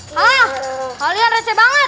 hah kalian receh banget